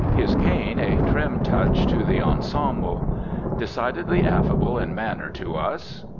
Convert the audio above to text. His cane a trim touch to the ensemble. Decidedly affable in manner to us.